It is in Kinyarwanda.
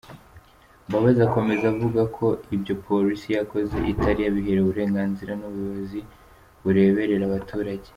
Mbabazi akomeza avuga ko ibyo polisi yakoze itari yabiherewe uburenganzira n’ubuyobozi bureberera abaturage.